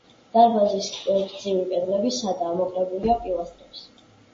დარბაზის გრძივი კედლები სადაა, მოკლებულია პილასტრებს.